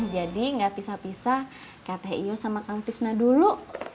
jadi gak pisah pisah kayak teh iyo sama kang tisna dulu